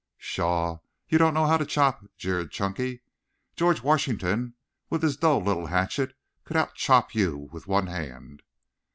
"Pshaw! You don't know how to chop," jeered Chunky. "George Washington, with his dull little hatchet, could out chop you with one hand."